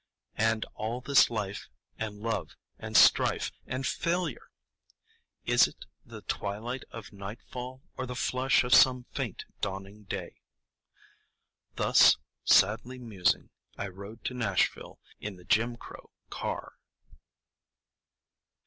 And all this life and love and strife and failure,—is it the twilight of nightfall or the flush of some faint dawning day? Thus sadly musing, I rode to Nashville in the Jim Crow car.